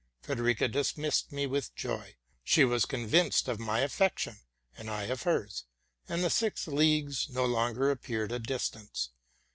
Frederica dismissed me with joy; she was convinced of my affection, and I of hers: and the six leagues no longer appeared a distance.